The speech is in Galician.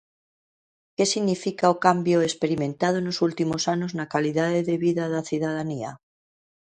Que significa o cambio experimentado nos últimos anos na calidade de vida da cidadanía?